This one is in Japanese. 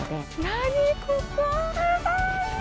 何ここっ！